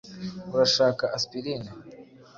Urashaka aspirine?